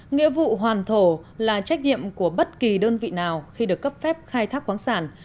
nghĩa vụ hoàn thổ là trách nhiệm của bất kỳ đơn vị nào khi được cấp phép khai thác khoáng sản